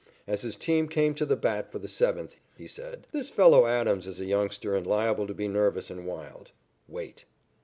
As his team came to the bat for the seventh, he said: "This fellow Adams is a youngster and liable to be nervous and wild. Wait."